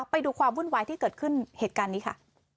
ไปดูความวุ่นวายที่เกิดขึ้นเหตุการณ์นี้ค่ะ